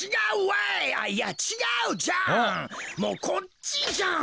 もうこっちじゃん！